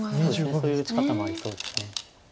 そういう打ち方もありそうです。